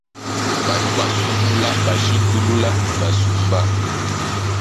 Badi basungula, bashintulule ne basumba.